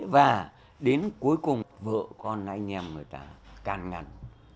và đến cuối cùng vợ con anh em người ta càng ngăn